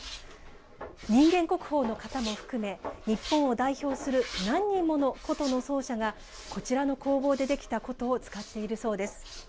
人間国宝の方も含め日本を代表する何人もの箏の奏者がこちらの工房で出来た箏を使っているそうです。